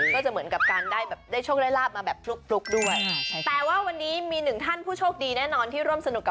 ก็จะเหมือนกับการได้โชคไล่ราบมาแบบปลุ๊กด้วย